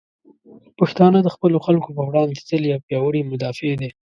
پښتانه د خپلو خلکو په وړاندې تل یو پیاوړي مدافع دی.